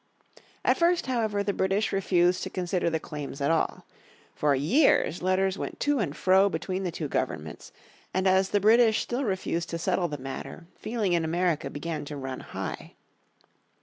At first, however, the British refused to consider the claims at all. For years letters went to and fro between the two governments, and as the British still refused to settle the matter, feeling in America began to run high.